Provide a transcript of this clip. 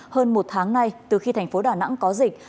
hơn một tháng nay từ khi thành phố đà nẵng có dịch